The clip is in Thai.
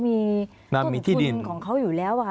มีต้นทุนของเขาอยู่แล้วค่ะ